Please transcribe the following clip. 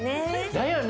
だよね。